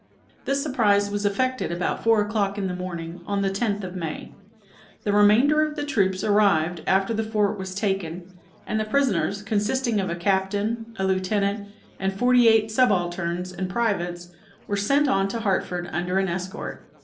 This surprise was effected about four o'clock in the morning on the 10th of May. The remainder of the troops arrived after the fort was taken, and the prisoners, consisting of a captain, a lieutenant, and forty eight subalterns and privates, were sent on to Hartford under an escort.